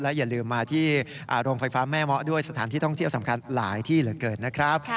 อย่าลืมมาที่โรงไฟฟ้าแม่เมาะด้วยสถานที่ท่องเที่ยวสำคัญหลายที่เหลือเกินนะครับ